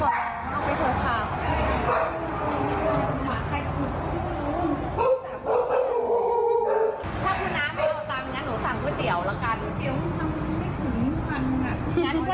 เอาไปเถอะค่ะ